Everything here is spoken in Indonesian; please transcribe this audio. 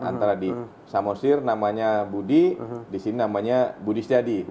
antara di samosir namanya budi di sini namanya budi setiadi